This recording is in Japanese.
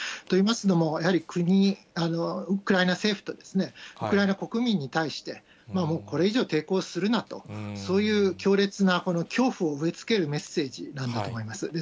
といいますのも、国、ウクライナ政府とウクライナ国民に対して、もうこれ以上抵抗するなと、そういう強烈な恐怖を植えつけるメッセージなんだと思います。